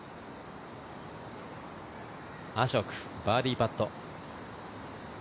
アショク、バーディーパット。